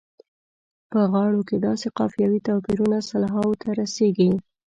په غاړو کې داسې قافیوي توپیرونه سلهاوو ته رسیږي.